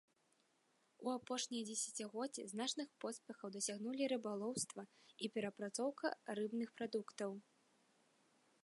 У апошнія дзесяцігоддзі значных поспехаў дасягнулі рыбалоўства і перапрацоўка рыбных прадуктаў.